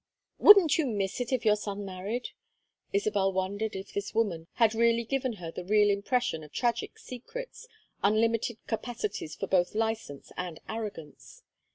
"Wouldn't you miss it if your son married?" Isabel wondered if this woman had really given her the impression of tragic secrets, unlimited capacities for both license and arrogance.